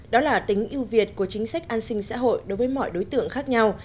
đó là tính yêu việt của chính sách an sinh xã hội đối với mọi đối tượng khác nhau